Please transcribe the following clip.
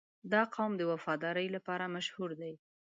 • دا قوم د وفادارۍ لپاره مشهور دی.